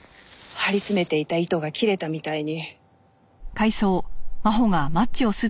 張り詰めていた糸が切れたみたいに。